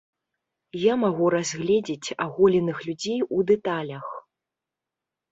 Я магу разгледзець аголеных людзей у дэталях.